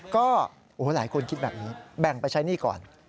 ก็หลายคนคิดแบบนี้แบ่งไปใช้หนี้ก่อน